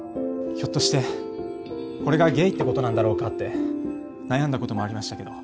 ひょっとしてこれがゲイってことなんだろうかって悩んだこともありましたけど。